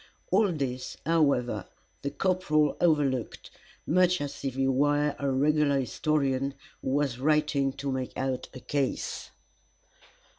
All this, however, the corporal overlooked, much as if he were a regular historian who was writing to make out a case.